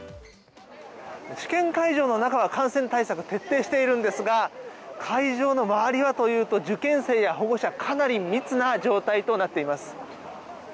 試験会場の中は感染対策徹底しているんですが会場の周りはというと受験生や保護者かなり密な状態となっています。